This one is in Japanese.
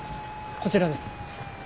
こちらです。